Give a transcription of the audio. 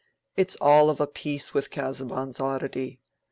"It's all of a piece with Casaubon's oddity.